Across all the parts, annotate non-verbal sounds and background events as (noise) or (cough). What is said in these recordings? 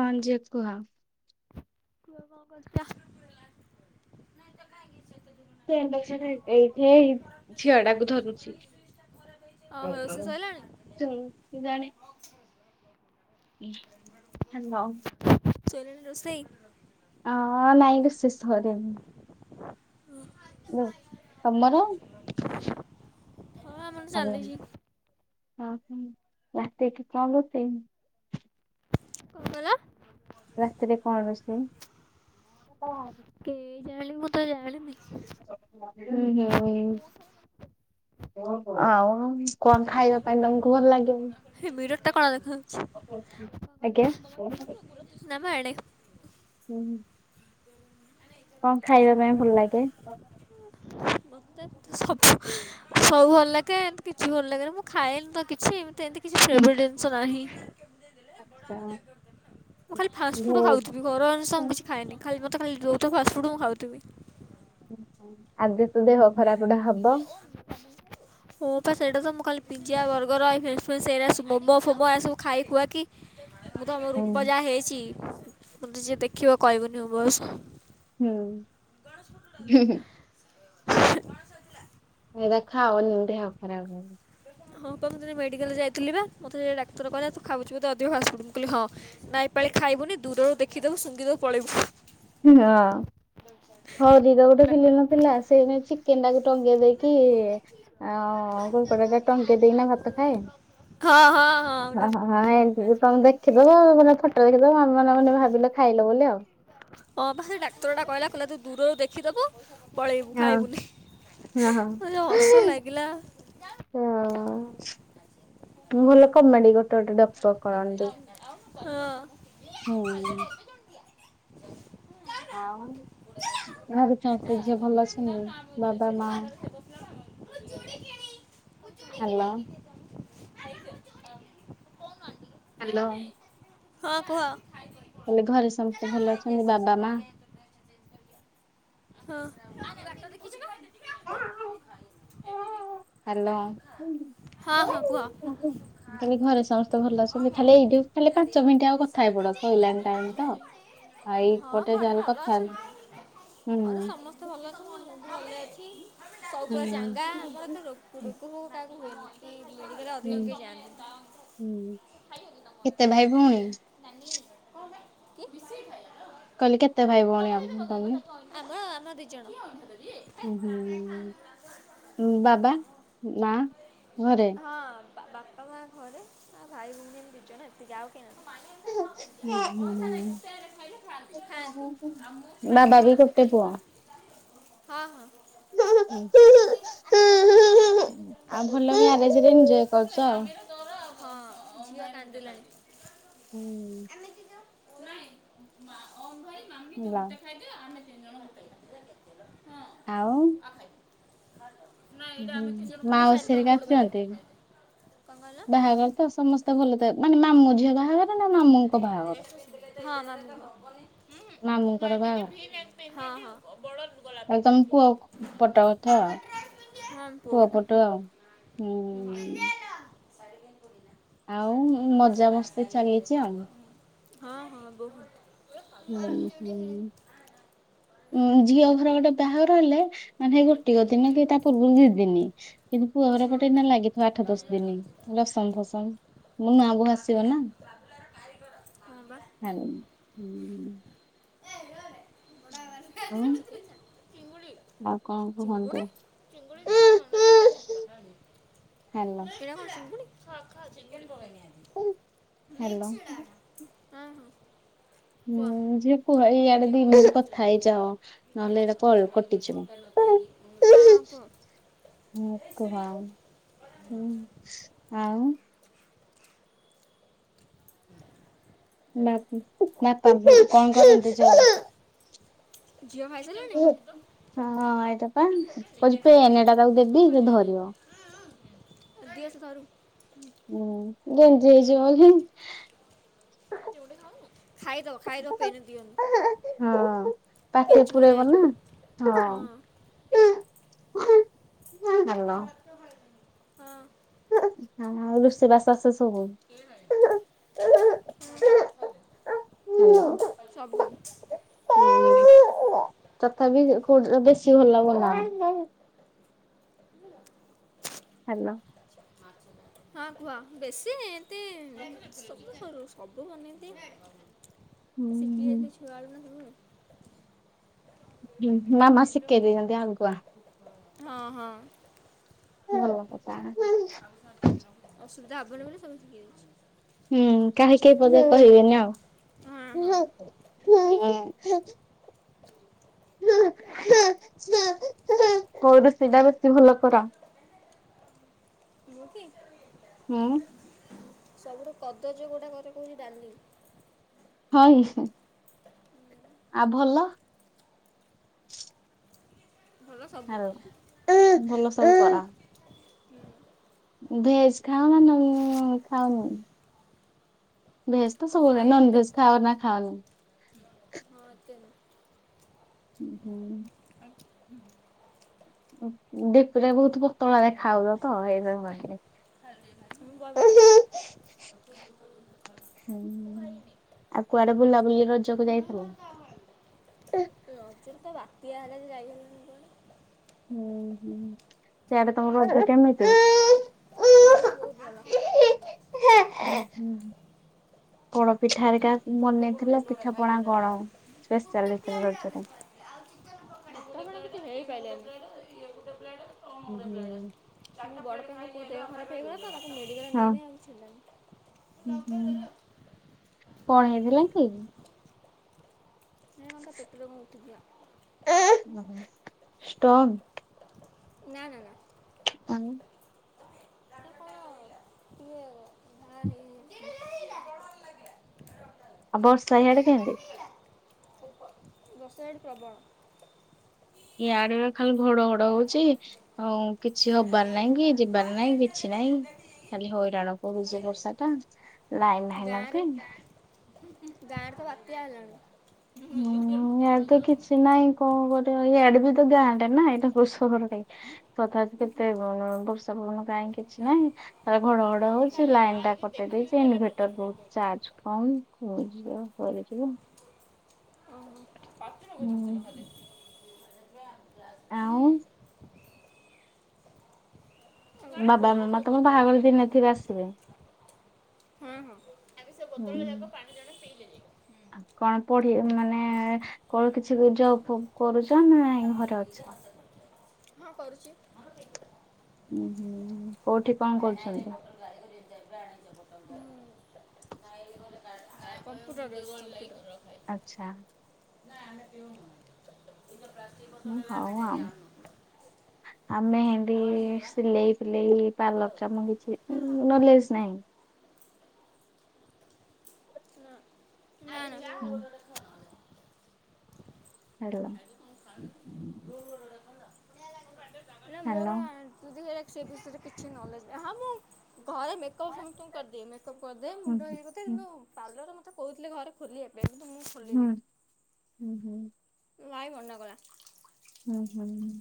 ହଁ ଯେ କୁହ? କୁଅ କଣ କରୁଛ। ପେଣ୍ଟେ ଛାଟେ ଏଇଠେ ସେ ଝିଅ ଟାକୁ ଧରୁଛି। ଓହୋ ଦୀପକ ରୋଷେଇ ଘରେ ସଇଲାଣି ଅଛି ଜଂଗ ଜାଣିନି। ଚୁଁ ହ୍ୟାଲୋ। ସଇଲାଣି ରୋଷେଇ। ଅହଁ ନାଇଁ ରୋଷେଇ ସରିନି। ତମର? ହଁ ଆମର ଚାଲିଛି। ହ ହୁଁ ରାତିି କଣ ରୋଷେଇ? କଣ କହିଲ? ରାତିରେ କଣ ରୋଷେଇ ଅଣ୍ଡା ଆଳୁ। କେୟାଣି ମୁଁ ତ ଯାଣିନି। ହୁଁ ହୁଁ ହୁଁ ଆଉ। କଣ ଖାଇବା ପାଇଁ ତମକୁ ଭଲ ଲାଗେନି। ହେ ମିରର୍ ଟା କଳା ଦେଖାଯାଉଛି। ଆଜ୍ଞା। କୁଆଡେ? ହୁଁ। କଣ ଖାଇବା ପାଇଁ ଭଲ ଲାଗେ? ମତେ ତ ସବୁ ସବୁ ଭଲ ଲାଗେ ଏମତି କିଛି ଭଲ ଲାଗେନ ମୁଁ ଖାଏନି ତ କିଛି ଏମିତି ଏମିତି କିଛି ଫେବ୍ରେଟ୍ ଜିନିଷ ନାହିଁ। ଆଚ୍ଛା ମୁଁ ଖାଲି ଫାଷ୍ଟ ଫୁଡ ଭେଜ ଖାଉଥିବି ଘର ଅନୁସାରେ ମୁଁ କିଛି ଖାଏନି ଖାଲିବା- ତ ଖାଲି ଦୋଉଥିବ ଫାଷ୍ଟଫୁଡ଼୍ ମୁଁ ଖାଉଥିବି। ଆଦି ତୋ ଦେହ ଖରାପ ଟା ହବ। ଓ ପା ସେଇଟା ତ ମୁ କାଲି ପିଜା ବର୍ଗର ଫେସ୍ ଫେସ୍ ଏରା ମୋମୋ ଫୋମୋ ଏରାସବୁ ଖାଇ ଖୁଆକି ମୁଁ ତ ମୋ ହୁଁ ରୂପ ଯାହା ହେଇଛି ମତେ ଯିଏ ଦେଖିବ କହିବନି ମୋ ବୟସ ହୁଁ ହୁଁ ହୁଁ। ଏରା ଖାଅନି ଦେହ ଖରାପ ହେବ। ହଁ ପା ମୁଁ ଦିନେ ମେଡିକାଲ ଯାଇଥିଲି ବା ମତେ ସେ ଡାକ୍ତର କହିଲା ତୁ ଖାଉଛୁ ବୋଧେ ଅଧିକ ଫାସେଫୁଟୁ ମୁଁ କହିଲି ହିଁ ନା ଏପା କଇଲେ ଖାଇବୁନି ଦୂରରୁ ଦେଖିଦବୁ ସୁଙ୍ଗିଦବୁ ପଳେଇବୁ। ହଁ। ହରିର ଗୋଟେ ଫିଲ୍ମ ନଥିଲା ସେ ନା ଚିକେନ୍ ଟାକୁ ଟଙ୍ଗେଇ ଦେଇକି ଆଉ କୁକୁଡା ଟା ଟଗେଇ ଦେଇକିନା ଭାତ ଖାଏ। ହଁ ହଁ ହଁ ହ ହଁ ଏ। ତମେ ଦେଖିଦବ ପୁରା ଫଟୋ ଦେଖିଦବ ଆମେମାନେ ମାନେ ଭାବିଲେ ଖାଇଲ ବୋଲି ଆଉ। ହଁ ପା ସେ ଡାକ୍ତର ଟା କହିଲା କହିଲା ତୁ ଦୂରରୁ ଦେଖିଦବୁ। ପଳେଇବୁ ହଁ ଖାଇବୁନି ହଁ। ମତେ ଯୋଉ ହସ ଲାଗିଲା। ହଁ ମୁଁ ଭଲ କମେଡି ଗୋଟେ ଗୋଟେ ଡକ୍ଟ କରନ୍ତି ହଁ। ହୁଁ। ଆଉ ଘରେ ଚମ୍ପି ଝିଅ ଭଲଅଛନ୍ତି ବାବା ମା ହ (unintelligible) ହାଲୋ। ହ୍ୟାଲୋ। ହଁ କୁହ? ଘରେ ସମସ୍ତେ ଭଲ ଅଛନ୍ତି ବାବା ମା। ହଁ। ହାଲୋ। ହଁ ହଁ କୁହ? କହିଲି ଘରେ ସମସ୍ତେ ଭଲ ଅଛନ୍ତି ଖାଲି ଏଇଠିଉ ଖାଲି ପାଞ୍ଚ ମିନିଟ୍ ଆଉ। କଥା ହେଇ ପଡ ସଇଲାଣି ଟାଇମ ତ। ଆଉ (unintelligible) ହଁ ଏଇପଟେ ଘରେ ଯାହେଲେ ଭଲ କଥା ହେଲେ ଅଛନ୍ତି। ଘରେ ହୁଁ ସମସ୍ତେ ଭଲ ଅଛନ୍ତି। ଭଲ ଅଛି ହୁଁ। ସବୁପୁଅ ଚାଙ୍ଗା ଆମର ତ ରୋ ରୋଗ ଫୋଗ କାହାକୁ ହୁଏନି। ହୁଁ ମେଡିକାଲ୍ ଅଧିକ ହୁଁ କେହି କେତେ ଭାଇ ଭଉଣୀ? ଯାନ୍ତିନି। କି ବିଶିକି ଖାଇବା। କହିଲି କେତେ ଭାଇ ଭଉଣୀ ଆଉ ତମେ? ଆମର ଆମର ଦି ଜଣ। ହୁଁ ବାବା ମା ଘରେ। ବାପା ମା ଘରେ ଆଉ ଭାଇ ଭଉଣୀ ଦିଇ ଜଣ ଏତିକି ଆଉ ହୁଁ ହୁଁ ନାଇଁ ଗୋଟେ ଆଡ଼େ ଖାଇଲେ ଖାଆନ୍ତି ଖାଆନ୍ତି ଆଉ ମୁଁ ହୁଁ। ଖାଇଛି ବାବା ବି ବେଳେ ସେ ଗୋଟେ ଖାଇବି ପୁଅ। ହଁ ହଁ ଆଉ ଭଲ ମା ଜିଆ ଜିରେ ନିଜୟ ଏ କରୁଛ ଆଉ। ମାମିର ଦର ହଁ ଝିଅ କାନ୍ଦିଲାଣୀ। ହୁଁ କୁରଣି ମା ଓମ୍ ଭାଈ ମାମି ତୁ ହେଲା ଗୋଟେ ଖାଇଦିଅ ଆମେ ତିନି ଜଣ ଗୋଟେ ଖାଇବୁ। ହାଲ। ହୁଁ ମାଉସି ହେରେକା ବାଲା କ'ଣ ଆସିଛନ୍ତି। କହିଲ ବାହାଘର ତ ସମସ୍ତେ ଭଲ ତ ମାନେ ମାମୁଁ ଝିଅ ବାହାଘର ନା ମାମୁଙ୍କ ବାହାଘର? ମାମୁଁଙ୍କର ଁାଇ ଟିକେ ବାହାଘର ଭି ଲ ବର ଗଲା ତାହେଲେ ପିନ୍ଧି (unintelligible) ତମ ପୁଅ ପଟା କଥା ଆ ପୁଅ ପଟୁ ଆଉ। କେଧ୍ୟ ଟ ହୁଁ (unintelligible) ସମସ୍ତେ ଚାଲିଛି ଆଉ। ହଁ ହଁ ବହୁତ ହୁଁ ହୁଁ ଉଁ ଝିଅ ଘର ଗୋଟେ ବାହାଘର ହେଲେ ମାନେ ହେଇ ଗୋଟିକ ଦିନ କି ତା ପୂର୍ବରୁ ଦି ଦିନ କିନ୍ତୁ ପୁଅ ଘର ପଟେ ଲାଗିଥିବ ଆଠ ଦଶ ଦିନି। ଦଶମ ଫସମ୍ ମୋ ନୂଆ ବୋହୁ ଆସିବ ନା। ହଁ ବା। ଚିଙ୍ଗୁଡ଼ି ଉଁ। ତୁଲି ଚିଙ୍ଗୁଡ଼ି ଚିଙ୍ଗୁଳି ଚିକେନ ଅଣ୍ଡା ତିନିଟା ମିଶିଲା ହାଲୋ ଏଇଟା କଣ ଚିଙ୍ଗୁଡ଼ି? ଖ ଖ ଚିକେନ ପକେଇନି ଆଜି ହାଲୋ ମିକ୍ସି ଡା ହୁଁ ଯେ କୁହ ଏ ଇଆଡେ ଦି ଚିଙ୍ଗୁଡ଼ି ମିନଟ୍ ମିଳୁଥିଲା କଥା ନା ହେଇଯାଅ ଏ ଯୋଉ ନହେଲେ ଏଇଟା ଚୋପା କଲ୍ ଛଡ଼େଇକି କଟିଯିବ। କଣ୍ଟା ନଥାଇକି ହଁ ହଁ କୁହ। ହୁଁ କୁହ ଆଉ ହୁଁ ଆଉ ନା ନା କଣ କରାନ୍ତି ଜବ୍? ଝିଅ ଖାଇ ସାରିଲାଣି? ହଁଁ ଏଇଟା ପା କହୁଛି ପେନ ପକେଇନି ଟା ତାକୁ ଦେବି ସେ ଧରିବ ଦିଅ ସେ ଧରୁ ହୁଁ ଗେଜି ହେଇ ହିଁ ଖାଇଦ ଖାଇଦ ପେନ ଦିଅନି ହ ପାଟି ପୁରେଇବ ନା ହ ହାଲ। ହ ଋଷବାସ ଆସ ସବୁ କଖ ସବୁ କୋଉଡ ର ବେଶୀ ଭଲ ବାନାଅ? ହ୍ୟାଲୋ। ହଁ କୁହ ବେଶୀ ଏତି ସବୁ କରୁ ସବୁ ବନେଇଦୀଏ। ଶିଖି ହୁଁ ଯାଇଥିଲା ଛୁଆ ବେଳୁ ନା ସବୁ। ହୁଁ ମାମା ଶିଖେଇ ଦେଇଛନ୍ତି ଆଗୁଆ। ହଁ ହଁ ଭଲ କଥା। (inaudible) ଅସୁବିଧା ହବନ ବୋଲି ସବୁ ଶିଖି ଯାଉଚି। ହୁଁ କାହିଁ କିଏ ପଦେ କହିବେନି ଆଉ ହଁ ହୁଁ ହଁ ହୁଁ ହୁଁ। ହେଁ ହୁଁ ହୁଁ ହୁଁ କୋଉ ରୋଷେଇଟା ବେଶୀ ଭଲ କର? ମୁଁ କି? ହୁଁ। ସବୁଠୁ କଦର୍ଯ୍ୟ କୋଉଟା କରେ ସେଇଟା କୋହୁଚି ଡାଲି ହଁ କି ଉହୁଁ। ଆଉ ଭଲ ଭଲ ସବୁ ହାଲୋ (inaudible) ଭଲ ସବୁ କର ହୁଁ, ଭେଜ ଖାଅ ନା ମ୍ ଖାଅନି ଭେଜ ତ ସବୁଦିନ ଖାଏ ନନ ଏତେ ଭେଜ ଖାଅ ନା ଖାଅନି? ହଁ ଏତେ ନୁହଁ। ଉହୁଁ। ହୁଁ। (unintelligible) ବହୁତ ପତଳାରେ ଦେଖା ହୋଉଚ ତ ହେଇଥିପଇଁ କହିଲି ମୁଁ (inaudible) ବରପତଳା ହୁଁ। ଆଉ କୁଆଡେ ବୁଲାବୁଲି ରଜକୁ ଯାଇଥିଲ? ରଜରେ ତ ବାତିଆ ହେଲା ଯେ ଯାଇ ହେଲାନି କୁଆଡ଼େ ହୁଁ ହୁଁ। ସେଆଡେ ତମ (inaudible) ରଜ କେମିତି? ଭଲ ବହୁତ ଭଲ (inaudible) ପୋଡ଼ପିଠା ହେରିକା ଉଁ ବନେଇଥିଲା ପିଠା ପଣା କଣ? ସ୍ପେସ ଚାଲିଥିବ ରଜରେ ହେଇପାଇଲାନି (inaudible) ମୁଁ ବଡ଼ ତ ହୁଁ ଘରେ ହୁଁ। ମୋ (inaudible) ଦେହ ଖରାପ ହେଇଗଲା ତ ହଁ ମତେ ମେଡିିକାଲ ନେଇ ନେଇ ହୁଁ ହୁଁ ଆଉ କିଛି ହେଲାନି। କଣ ହେଇଥିଲା କି? ଏ କଣ ତା ପେଟରେ କଣ ଟା ଉଠିଥିଲା। (inaudible) ଉହୁଁ ଷ୍ଟକ୍? ନା ନା ନା। ଆଉ (inaudible) ହେଟା କଣ ଟିଏ (unintelligible) ଆଉ ବର୍ଷା ହ୍ୟାଡେ କେମିତି? (inaudible) ବର୍ଷା ୟାଡେ ପ୍ରବଳ ଇଆଡେ ଖାଲି ଘଡଘଡ ହୋଉଚି ପ୍ରବଳ ଆଉ କିଛି ହବାର ନାହିଁ କି ଯିବାର ନହିଁ କିଛି ନାଇଁ ଖାଲି ହଇରାଣ କରୁ ଯ ବର୍ଷା ଟା ଲାଇନ ନାହିଁ ନା ଗାଁରେ ପାଇଁ। (inaudible) ଗାଁର ତ ବାତିଆ ହେଲାଣି ହୁଁ ୟାଡେ ତ କିଛି ନାଇଁ କଣ କରିବ ଇଆଡେ ବି ତ ଗାଁରେ ନା ଏଇଟା କୋଉ ସହର କି ତଥା କେତେ ବର୍ଷା ପବନ କାହିଁ କିଛି ନାହିଁ। ତାଲେ ଘଡଘଡ ଆମର ହୋଉଛି ଖାଲି ଲାଇ ଲାଇନ୍ ଟା ଆଇକି କଟେଇ ଦେଖିକି ଦେଇଚି ଗଲେ ଇନଭଟର ପଚାଶ ଟଙ୍କା ବହୁତ ଦରକାର ଚାର୍ଜ କମ (unintelligible) ସରିଯିବ। ଓହୋ। ପାତି ନଗଦ ହୁଁ। ଦେଉଥିଲା ଖାଲି ଆଉ କାଳେ ବାବା ମାମା ପିଉନୁ ତମ ବାହାଘର ବୋତଲରେ ଦିନେ ଥିବେ ଆସିବେ ହଁ ହଁ ଆବେ ସେ ବୋତଲରେ ଯାକ ପାଣି ଜଣ ପିଇଲେ ଯାଇକି ଆଉ କଣ ପଢି ମାନେ କଣ କି କିଛି ଯବ କରୁଚ ନାଇଁ ଘରେ ଅଛ? ହଁ କରୁଚି (inaudible) ହୁଁ ହୁଁ କୋଉଠି କଣ କରୁଛନ୍ତି? ହୁଁ, କମ୍ପୁଟର (inaudible) ଆଛା। ପ୍ଲାଷ୍ଟିକ ଉଁ ବୋତଲ ହଉ ଆମେ ଡେଲି ଆଣୁ ଆଉ ଆମେ ହିନ୍ତି ଆଉ ଆଣିଲୁ ବା ସିଲେଇ ଫିଲେଇ ତା ଲଖନ କିଛି ନଲେଜ ନାହିଁ। ନାଁ ଅଁ ନାଁ। ହୁଁ, ହାଲୋ। ହେରା ମୋର ଏସବୁ ବିଷୟରେ କିଛି ନଲେଜ ନାହିଁ ହଁ ମୁଁ ଘରେ ମେକଅପ୍ ସମସ୍ତଙ୍କୁ କରିଦିଏ ମେକଅପ୍ କରିଦିଏ ହୁଁ ମୁଣ୍ଡ ଇଏ କରଦିଏ ହୁଁ କିନ୍ତୁ ପାର୍ଲର ମତେ କହୁଥିଲେ ଘରେ ଖୋଲିବାକୁ। ହୁଁ ହୁଁ ହୁଁ, ଭାଇ ମନା କଲା। ହୁଁ ହୁଁ ହୁଁ,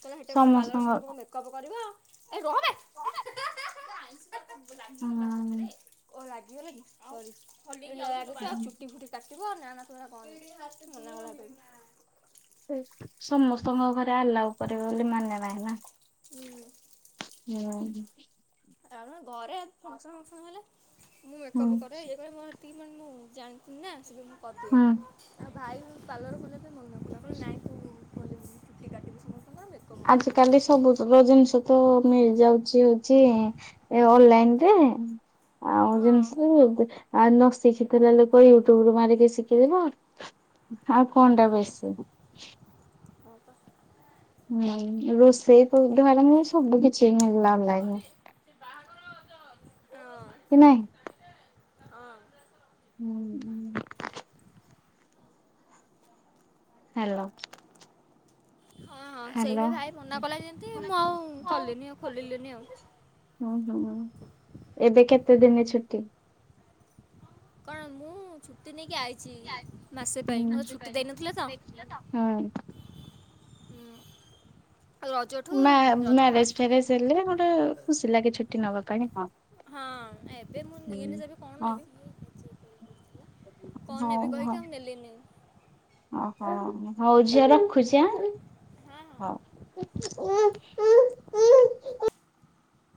କହିଲା ହେଟା କଣ ପାର୍ଲର ସମସ୍ତଙ୍କ ସମସ୍ତଙ୍କୁ ମେକଅପ କରିବ। ଏ ରହବେ (unintelligible) ଛୁଟି ହଁ ଫୁଟି କାଟି ନାଁ ନାଁ ତୁ ହେରା କରନି ମନା କଲା ମତେ (unintelligible) ସମସ୍ତଙ୍କ ଘରେ ସେ ଆଲାଓ କରିବେ ବୋଲି ମାନେନାହିଁ ନା ହେପାଇଁ। ହୁଁ ଘରେ ଫଙ୍କସନ ମଙ୍କସନ ହେଲେ ମୁଁ ହୁଁ ମେକପ୍ କରେ ଇଏ କରେ ମୋ ଟିକେ ମାନେ ମୁଁ ଜାଣିଥିଲି ନା ସେ ପାଇଁ ମୁଁ ହୁଁ କରିଦିଏ। ଭାଇ ପାର୍ଲର ଖୋଲିବା ପାଇଁ ମନା କଲା କହିଲା ନାଇଁ ତୁ ଖୋଲିବୁନି ଚୁଟି କାଟିବୁ ସମସ୍ ଆଜ କାଲି ସବୁ ତକ ଜିନିଷ ତ ମିଳି ଯାଉଛି ହଉଛି ଏ ଅନଲାଇନ ରେ ଆଉ ହଁ। ଜିନିଷ ନ ଶିଖିଥିଲେ ଲୋକ ୟୁଟୁବୁ ରୁ ମାରିକି ଶିଖିବେନା। ଆଉ କଅଁଟା ବେଶୀ ହଁ ପା। ହୁଁ ରୋଷେଇ ପରଠୁ ଆରମ୍ଭ କରି ସବୁକିଛି ମିଳିଲା ଅନଲାଇନି ହଁ କି ନାହିଁ? ହଁ। ହୁଁ ହୁଁ, ହାଲୋ, ହଁ ହଁ ସେଇଥି ପାଇଁ ଭାଇ ମନା କଲା ଯେମିତି ମୁଁ ହୁଁ ଆଉ କଲିନି ଆଉ ଖୋଲିଲିନି ଆଉ ହୁଁ ଏବେ କେତେ ଦିନ ଛୁଟି? କଣ ମୁଁ ଛୁଟି ନେଇକି ଆଇଛି ମାସେ ହୁଁ ପାଇଁ ମୋର ଛୁଟି ଦେଇନଥିଲେ ତ ହୁଁ ଆଉ ରଜଠୁ ମ୍ୟା ରଜ ମ୍ୟାରେଜ ଫାଷ୍ଟ ଫ୍ୟାରେଜ ହେଲେ ଗୋଟେ ଖୁସି ଲାଗେ ଛୁଟି ନବା ପାଇଁ ହଁ ହଁ ଏବେ ମୁଁ ହୁଁ। ନିଏନି ଯେବେ କଣ ହଁ ନେବି। କଣ ହଉ ନେବି ହଉ କହିକି ଆଉ ନେଲିନି ହଁ, ହଁ ହଉ ଝିଅ ରଖୁଛି ଆ ହଁ ହଁ ହଉ। ଉଁ ଉଁ ଉଁ ଉଁ,